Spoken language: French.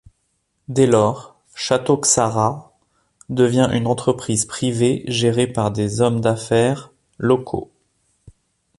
Dès lors, Château Ksara devient une entreprise privée gérée par des hommes d'affaires locaux.